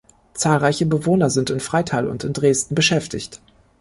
Zahlreiche Bewohner sind in Freital und in Dresden beschäftigt.